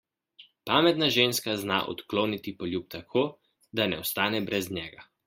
Pametna ženska zna odkloniti poljub tako, da ne ostane brez njega.